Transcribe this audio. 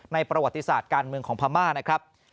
ประวัติศาสตร์การเมืองของพม่านะครับ